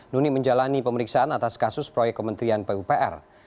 nuni menjalani pemeriksaan atas kasus proyek kementerian pupr